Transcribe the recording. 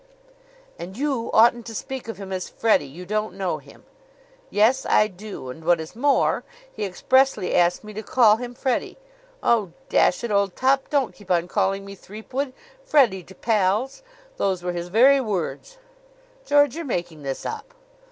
"And you oughtn't to speak of him as Freddie. You don't know him." "Yes, I do. And, what is more, he expressly asked me to call him Freddie. 'Oh, dash it, old top, don't keep on calling me Threepwood! Freddie to pals!' Those were his very words." "George, you're making this up."